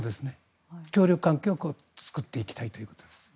協力関係を作っていきたいということです。